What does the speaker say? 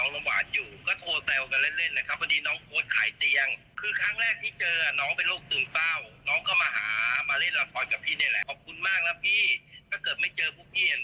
รู้สึกจะเป็นสิงคโปร์รึเปล่าครั้งที่แรก